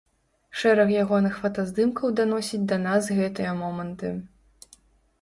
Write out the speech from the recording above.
Шэраг ягоных фотаздымкаў даносіць да нас гэтыя моманты.